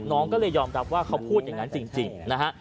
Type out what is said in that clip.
น้องก็เลยยอมรับว่าเขาพูดอย่างนั้นจริงนะฮะ